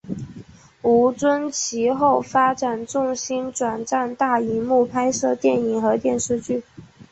吴尊其后发展重心转战大银幕拍摄电影和电视剧。